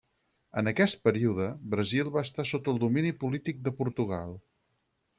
En aquest període, Brasil va estar sota el domini polític de Portugal.